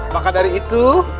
maka dari itu